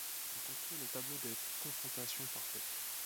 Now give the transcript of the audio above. On construit le tableau des confrontations par paire.